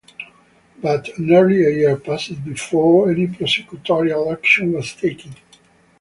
But nearly a year passed before any prosecutorial action was taken.